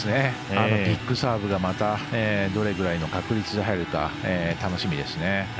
あのビッグサーブがどれぐらいの確率で入るか楽しみですね。